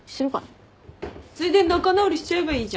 ついでに仲直りしちゃえばいいじゃん。